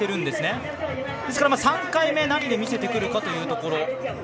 ですから、３回目何で見せてくるかというところ。